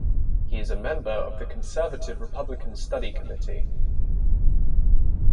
He is a member of the conservative Republican Study Committee.